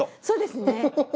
そうですね。